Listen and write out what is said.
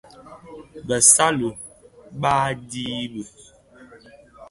Bëssali baà di bi.